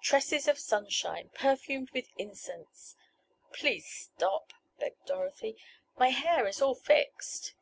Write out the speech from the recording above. Tresses of sunshine, perfumed with incense!" "Please stop!" begged Dorothy. "My hair is all fixed!"